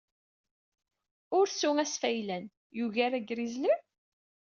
Ursu asfaylan yugar agrizli?